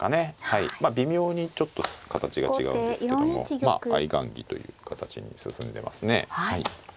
微妙にちょっと形が違うんですけどもまあ相雁木という形に進んでますね。